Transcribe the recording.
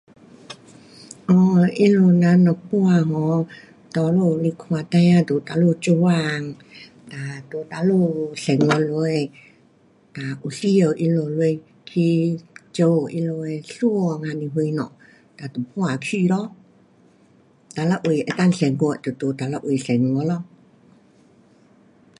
哦，他们人若搬 um 多数是看孩儿在哪里做工，哒在哪里生活下，哒有需要他们下去照顾他们的孙还是什么，哒就搬去咯。哪一位能够生活，他就在哪一位生活咯。